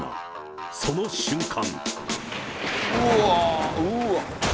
その瞬間。